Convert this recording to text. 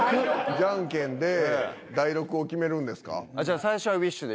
じゃんけんで大六を決めるんですか？